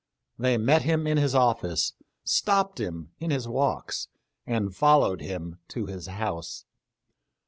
They met him in his office, stopped him in his walks, and fol lowed him to his house.